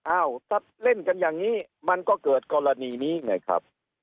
อ้าวถ้าเล่นกันอย่างนี้มันก็เกิดกรณีนี้ไงครับ